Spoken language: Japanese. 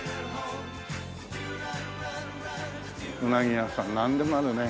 うなぎ屋さんなんでもあるね。